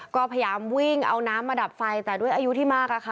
ก็พยายามวิ่งเอาน้ำมาดับไฟแต่ด้วยอายุที่มากอะค่ะ